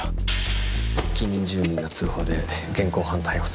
近隣住民の通報で現行犯逮捕されて。